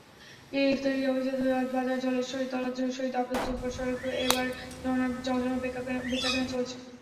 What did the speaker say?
ইফতারির অভিজাত বাজার জলেশ্বরীতলা শহীদ আবদুল জোব্বার সড়কেও এবার জমজমাট বেচাকেনা চলছে।